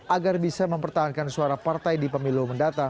agar bisa mempertahankan suara partai di pemilu mendatang